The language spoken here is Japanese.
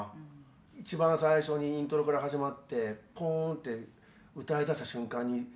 一番最初にイントロから始まってポーンって歌いだした瞬間に。